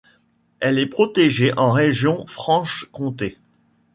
Elle est protégée en région Franche-Comté.